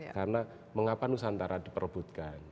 karena mengapa nusantara diperobotkan